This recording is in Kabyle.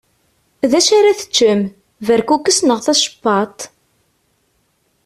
D acu ar ad teččem? Berkukes neɣ tacewwaḍṭ?